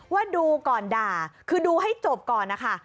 ว่าดูก่อนด่าคือดูให้จบก่อนนะคะ